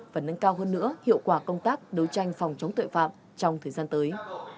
và nâng cao hơn nữa hiệu quả công tác đấu tranh phòng chống tội phạm trong thời gian tới